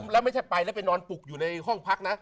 แล้วไม่ใช่ไปแล้วไปนอนปลุกอยู่ในห้องพักนะ